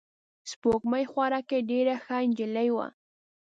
سپوږمۍ خوارکۍ ډېره ښه نجلۍ وه.